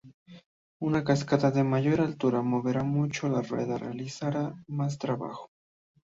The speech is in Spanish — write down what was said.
Una cascada de mayor altura moverá mucho la rueda, realizará más trabajo.